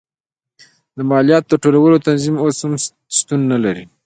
د مالیاتو د ټولولو تنظیم اوس هم شتون نه لري.